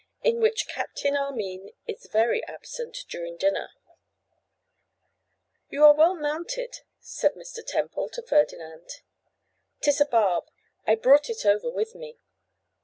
In Which Captain Armine Is Very Absent during Dinner. YOU are well mounted,' said Mr. Temple to Ferdinand. ''Tis a barb. I brought it over with me.